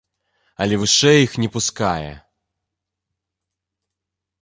Але вышэй іх не пускае.